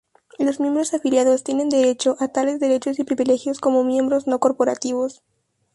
Los miembros afiliados tienen derecho a tales derechos y privilegios como miembros no corporativos.